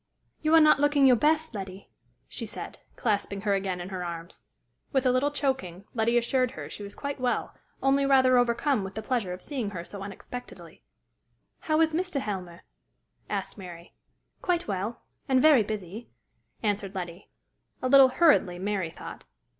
"You are not looking your best, Letty," she said, clasping her again in her arms. With a little choking, Letty assured her she was quite well, only rather overcome with the pleasure of seeing her so unexpectedly. "How is Mr. Helmer?" asked Mary. "Quite well and very busy," answered Letty a little hurriedly, Mary thought.